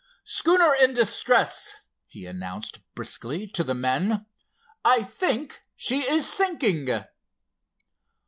"Schooner in distress," he announced briskly to the men. "I think she is sinking."